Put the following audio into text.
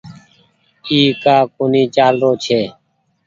اي ڪآ ڪونيٚ چآلرو ڇي۔